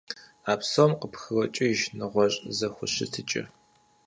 А псом къыпкърокӀыж нэгъуэщӀ зэхущытыкӀэ.